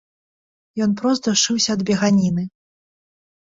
Ён прост душыўся ад беганіны.